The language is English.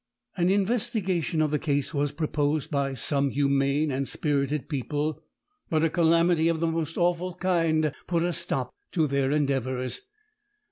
An investigation of the case was proposed by some humane and spirited people, but a calamity of the most awful kind put a stop to their endeavours.